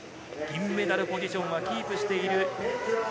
銀メダルポジションはキープしている。